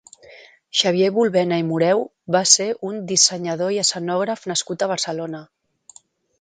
Xavier Bulbena i Moreu va ser un dissenyador i escenògraf nascut a Barcelona.